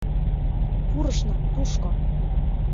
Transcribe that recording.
Пурышна тушко!